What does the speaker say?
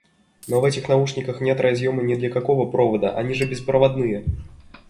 Но в этих наушниках нет разъёма ни для какого провода, они же беспроводные!